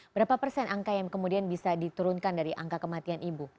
berapa persen angka yang kemudian bisa diturunkan dari angka kematian ibu